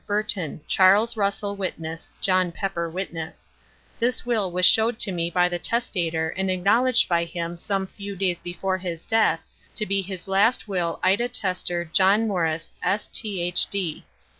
BURTON—Charles Russell Witness—John Pepper Witness—This Will was shewed to me by the Testator and acknowledged by him some few days before his death to be his last Will Ita Testor John Morris S Th D.